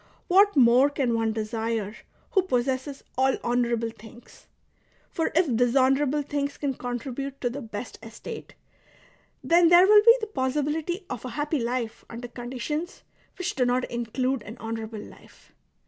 What more can one desire who possesses all honourable things .^* For if dishonourable things can contribute to the best estate, then there will be the possibility of a happy life under conditions which do not include an honour able life.